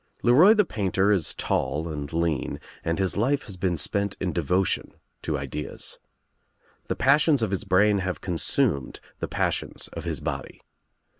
LeRoy the painter is tall and lean and his life has teen spent in devotion to ideas. The passions of his brain have consumed the passions of his body.